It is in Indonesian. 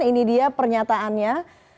ini dia pernyataannya